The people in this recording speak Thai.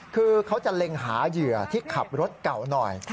คือเขาจะเล็งหาเหยื่อที่ขับรถเก่าหน่อย